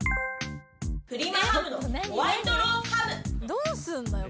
どうすんのよ？